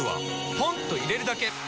ポンと入れるだけ！